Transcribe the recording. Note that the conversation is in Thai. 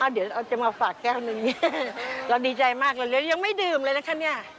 เดี๋ยวเราจะมาฝากแก้วหนึ่งเราดีใจมากเลยยังไม่ดื่มเลยนะคะเนี่ย